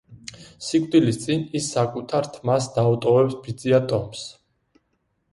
სიკვდილის წინ ის საკუთარ თმას დაუტოვებს ბიძია ტომს.